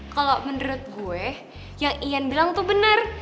kalo menurut gue yang ian bilang tuh bener